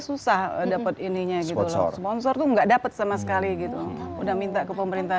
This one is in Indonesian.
susah dapat ininya gitu loh sponsor tuh nggak dapat sama sekali gitu udah minta ke pemerintah